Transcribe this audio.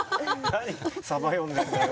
何サバ読んでんだよ。